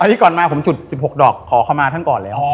อันนี้ก่อนมาผมจุด๑๖ดอกขอเข้ามาท่านก่อนแล้ว